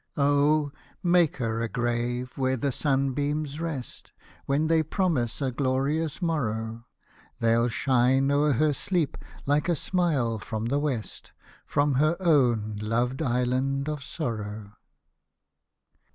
Oh ! make her a grave where the sunbeams rest, When they promise a glorious morrow ; They'll shine o'er her sleep, like a smile from the West, From her own loved island of sorrow.